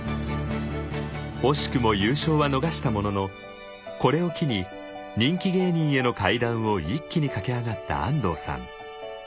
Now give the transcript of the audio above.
惜しくも優勝は逃したもののこれを機に人気芸人への階段を一気に駆け上がった安藤さん。